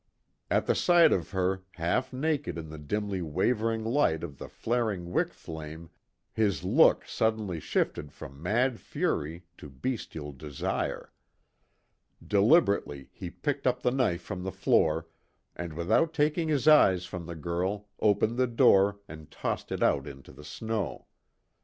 At the sight of her, half naked in the dimly wavering light of the flaring wick flame, his look suddenly shifted from mad fury to bestial desire. Deliberately he picked up the knife from the floor, and without taking his eyes from the girl opened the door and tossed it out into the snow.